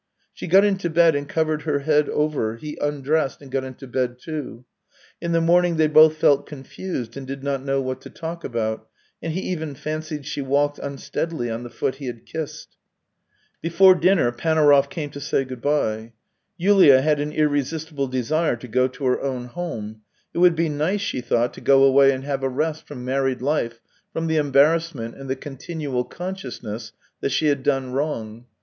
She got into bed and covered her head over ; he undressed and got into bed. too. In the morning they both felt confused and did not know what to talk about, and he even fancied she walked un steadily on the foot he had kissed. Before dinner Panaurov came to say good bye. Yulia had an irresistible desire to go to her own home; it would be nice, she thought, to go away THREE YEARS 263 and have a rest from married life, from the em barrassment and the continual consciousness that she had done wrong.